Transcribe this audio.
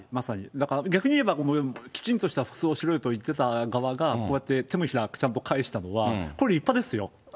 だから逆に言えば、きちんとした服装をしろよと言っていた側が、こうして、手のひらちゃんと返したのは、これ、立派ですよ。